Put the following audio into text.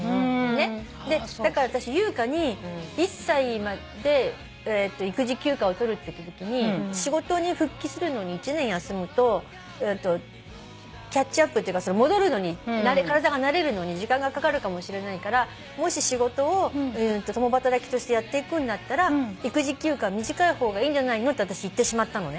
だから私優香に１歳まで育児休暇を取るっていったときに仕事に復帰するのに１年休むとキャッチアップというか戻るのに体が慣れるのに時間がかかるかもしれないからもし仕事を共働きとしてやっていくんだったら育児休暇は短い方がいいんじゃないのって私言ってしまったのね。